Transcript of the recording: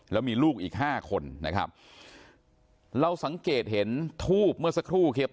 แล้วมีลูกอีกห้าคนนะครับเราสังเกตเห็นทูบเมื่อสักครู่ครับ